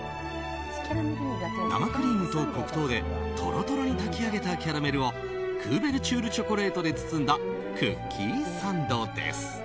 生クリームと黒糖でとろとろに炊き上げたキャラメルをクーベルチュールチョコレートで包んだクッキーサンドです。